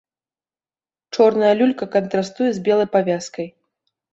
Чорная люлька кантрастуе з белай павязкай.